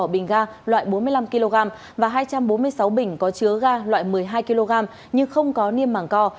một mươi bình ga loại bốn mươi năm kg và hai trăm bốn mươi sáu bình có chứa ga loại một mươi hai kg nhưng không có niêm mảng co